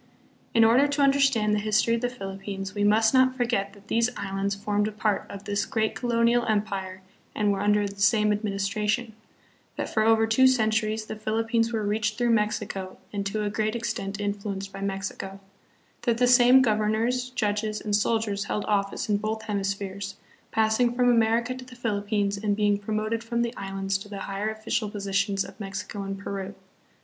In order to understand the history of the Philippines, we must not forget that these islands formed a part of this great colonial empire and were under the same ad ministration; that for over two centuries the Philippines were reached through Mexico and to a great extent influ enced by Mexico; that the same governors, judges, and soldiers held office in both hemispheres, passing from America to the Philippines and being promoted from the Islands to the higher official positions of Mexico and Peru.